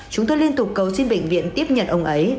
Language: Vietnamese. chúng tôi liên tục cầu xin bệnh viện tiếp nhận ông ấy